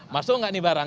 masuk gak nih barang